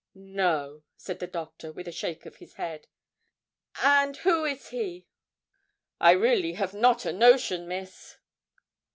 'No,' said the Doctor, with a shake of his head. 'And who is he?' 'I really have not a notion, Miss.'